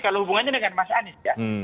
kalau hubungannya dengan mas anies ya